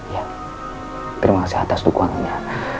ya terima kasih atas dukungannya